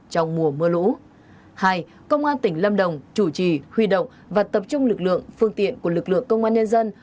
hai công an tỉnh lâm đồng chủ trì huy động và tập trung lực lượng phương tiện của lực lượng công an nhân dân